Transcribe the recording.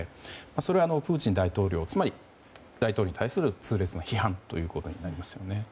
それは、プーチン大統領つまり大統領に対する痛烈な批判ということになりますよね。